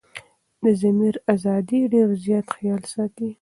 دضمير دازادي ډير زيات خيال ساتي